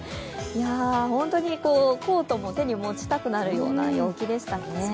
本当にコートも手に持ちたくなるような陽気でしたね。